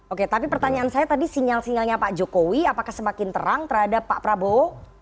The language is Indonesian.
oke tapi pertanyaan saya tadi sinyal sinyalnya pak jokowi apakah semakin terang terhadap pak prabowo